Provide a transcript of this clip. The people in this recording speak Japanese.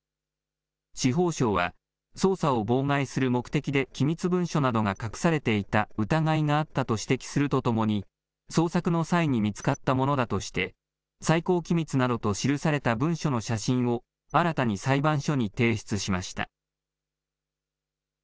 司法省は捜査を妨害する目的で機密文書などが隠されていた疑いがあったと指摘するとともに、捜索の際に見つかったものだとして、最高機密などと記された文書の写真を新たに裁判所に提出しました。